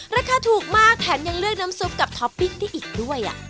ราคาถูกมากแถมยังเลือกน้ำซุปกับท็อปปิ้งได้อีกด้วย